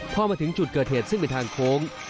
พอมาถึงจุดเกิดเหตุซึ่งเป็นทางโค้ง